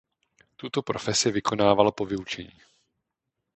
Tuto profesi vykonával po vyučení.